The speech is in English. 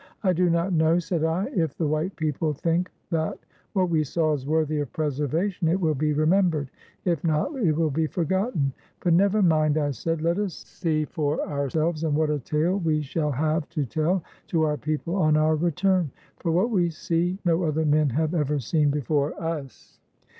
"I do not know," said I. ''If the white people think that what we saw is worthy of preservation, it will be remembered; if not, it will be forgotten. But never mind," I said; "let us see for ourselves, and what a tale we shall have to tell to our people on our return; for what we see no other men have ever seen before us."